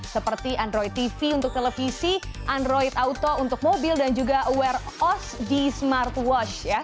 seperti androi tv untuk televisi android auto untuk mobil dan juga wear os di smart watch